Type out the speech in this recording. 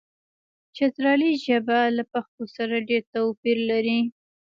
چترالي ژبه له پښتو سره ډېر توپیر لري.